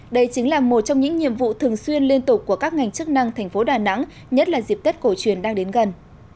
đây chính là một trong những nhiệm vụ thường xuyên liên tục của các ngành chức năng thành phố đà nẵng nhất là dịp tết cổ truyền đang đến gần